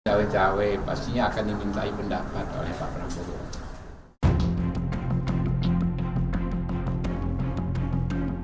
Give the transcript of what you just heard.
jawa jawa pastinya akan mencintai pendapat oleh pak pramodo